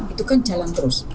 itu kan jalan terus